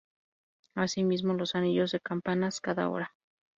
Asimismo, los anillos de campanas cada hora.